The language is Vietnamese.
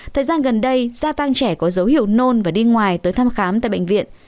thời gian gần đây gia tăng trẻ có dấu hiệu nôn và đi ngoài tới thăm khám tại bệnh viện